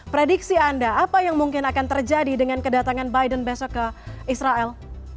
prediksi anda apa yang mungkin akan terjadi dengan kedatangan biden besok ke israel